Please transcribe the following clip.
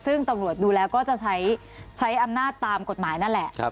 ซึ่งตำรวจดูแล้วก็จะใช้อำนาจตามกฎหมายนั่นแหละ